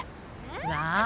なあ。